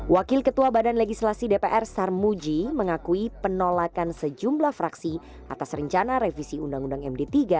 wakil ketua badan legislasi dpr sarmuji mengakui penolakan sejumlah fraksi atas rencana revisi undang undang md tiga